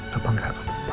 papa enggak akan lupa